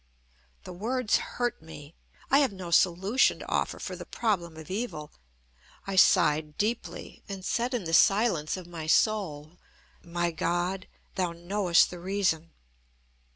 The words hurt me. I have no solution to offer for the problem of evil. I sighed deeply, and said in the silence of my soul: "My God! Thou knowest the reason."